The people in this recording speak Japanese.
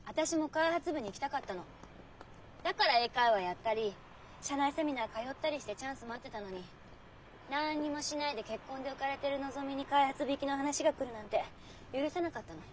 だから英会話やったり社内セミナー通ったりしてチャンス待ってたのになんにもしないで結婚で浮かれてるのぞみに開発部行きの話が来るなんて許せなかったの。